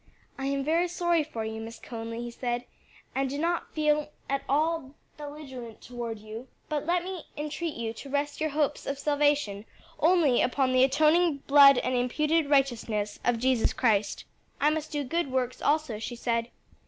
"I am very sorry for you, Miss Conly," he said, "and do not feel at all belligerent toward you; but let me entreat you to rest your hopes of salvation only upon the atoning blood and imputed righteousness of Jesus Christ." "I must do good works also," she said.